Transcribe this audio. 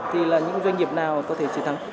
thì là những doanh nghiệp nào có thể chiến thắng